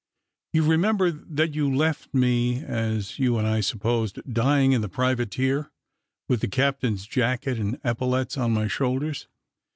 You remember that you left me, as you and I supposed, dying in the privateer, with the captain's jacket and epaulets on my shoulders.